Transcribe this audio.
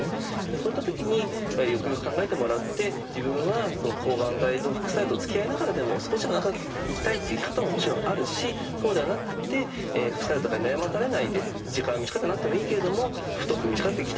そういった時によくよく考えてもらって自分は抗がん剤の副作用とつきあいながらでも少しでも長く生きたいっていう生き方ももちろんあるしそうではなくて副作用とかに悩まされないで時間は短くなってもいいけれども太く短く生きたいんだ。